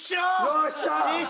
よっしゃあ！